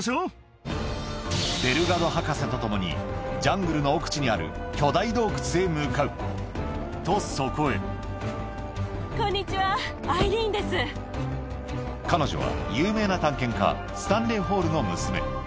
デルガド博士と共にジャングルの奥地にある巨大洞窟へ向かうとそこへ彼女は有名な探検家スタンレー・ホールの娘